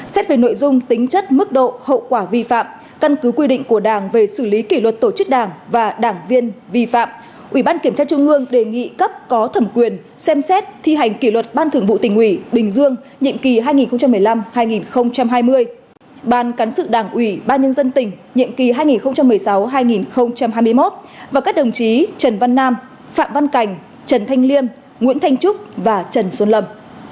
xét về nội dung tính chất mức độ hậu quả vi phạm căn cứ quy định của đảng về xử lý kỷ luật tổ chức đảng và đảng viên vi phạm ủy ban kiểm tra trung ương đề nghị cấp có thẩm quyền xem xét thi hành kỷ luật ban thưởng vụ tỉnh ủy bình dương nhiệm kỳ hai nghìn một mươi năm hai nghìn hai mươi ban cán sự đảng ủy ban nhân dân tỉnh nhiệm kỳ hai nghìn một mươi sáu hai nghìn hai mươi một và các đồng chí trần văn nam phạm văn cảnh trần thanh liêm nguyễn thanh trúc và trần xuân lâm